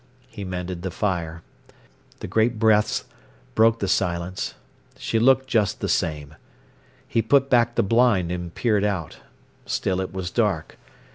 He mended the fire. The great breaths broke the silence—she looked just the same. He put back the blind and peered out. Still it was dark.